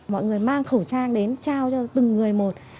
mọi người mang khẩu trang đến trao cho từng người một